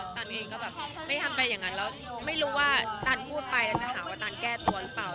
ตันเองก็แบบไม่ทำไปอย่างนั้นแล้วไม่รู้ว่าตันพูดไปตันจะหาว่าตันแก้ตัวหรือเปล่า